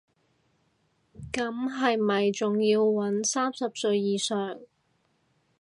咁係咪仲要搵三十歲以上